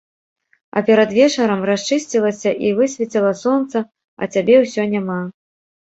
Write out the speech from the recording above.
А перад вечарам расчысцілася і высвеціла сонца, а цябе ўсё няма.